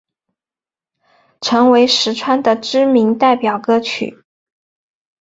成为实川的知名代表歌曲。